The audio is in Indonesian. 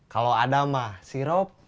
kalau ada mah sirop